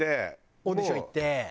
オーディション行って。